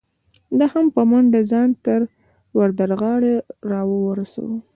ده هم په منډه ځان تر وردغاړې را ورسو.